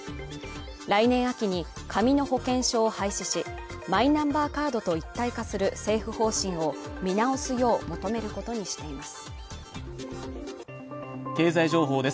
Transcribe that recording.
来年秋に紙の保険証を廃止し、マイナンバーカードと一体化する政府方針を見直すよう求めることにしています。